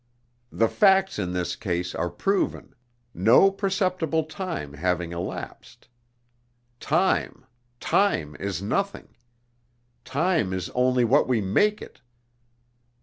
The facts in this case are proven; no perceptible time having elapsed. Time time is nothing. Time is only what we make it.